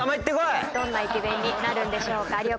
どんな駅弁になるんでしょうか。